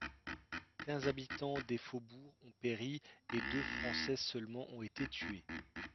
Quinze habitans des faubourgs ont péri et deux Français seulement ont été tués.